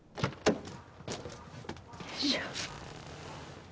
よいしょ。